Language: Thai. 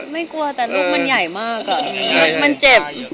ไม่กลัวแต่ลูกมันใหญ่มากมันเจ็บ